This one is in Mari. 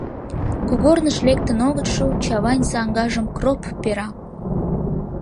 Кугорныш лектын огыт шу — Чавайн саҥгажым кроп пера.